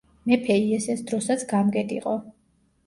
მეფე იესეს დროსაც გამგედ იყო.